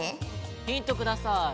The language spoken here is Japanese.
ヒントください。